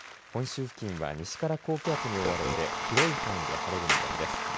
本州付近は西から高気圧に覆われて広い範囲で晴れる見込みです。